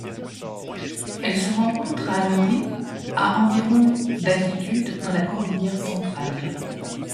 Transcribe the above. Elle se rencontre à Anorí à environ d'altitude dans la cordillère Centrale.